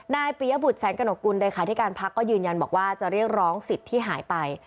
ปียบุตรแสงกระหนกกุลเลขาธิการพักก็ยืนยันบอกว่าจะเรียกร้องสิทธิ์ที่หายไป